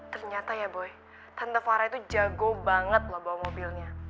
ternyata ya boy tante fara itu jago banget loh bawa mobilnya